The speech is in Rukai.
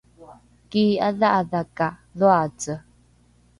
kii’adha’adha ka dhoace